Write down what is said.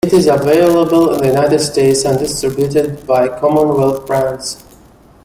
It is available in the United States and distributed by Commonwealth Brands.